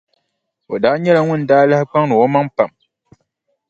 O daa nyɛla ŋun daa lahi kpaŋdi o maŋa pam.